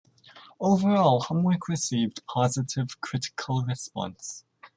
Overall, "Homework" received positive critical response.